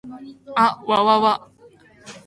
あっわわわ